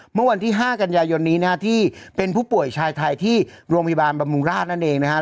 เมื่อวันที่๕กันยายนนี้นะฮะที่เป็นผู้ป่วยชายไทยที่โรงพยาบาลบำรุงราชนั่นเองนะครับ